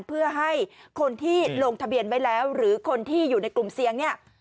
เพื่อให้คนที่ลงทะเบียนไว้แล้วหรือคนที่อยู่ในกลุ่มเสี่ยงเนี่ย